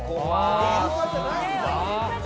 ねえイルカじゃないんだ。